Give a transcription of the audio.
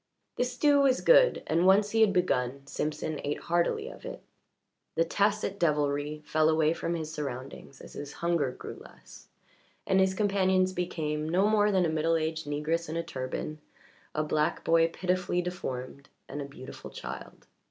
The stew was good, and once he had begun Simpson ate heartily of it. The tacit devilry fell away from his surroundings as his hunger grew less, and his companions became no more than a middle aged negress in a turban, a black boy pitifully deformed, and a beautiful child.